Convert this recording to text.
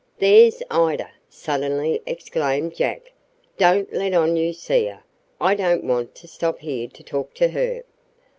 "There's Ida!" suddenly exclaimed Jack. "Don't let on you see her. I don't want to stop here to talk to her."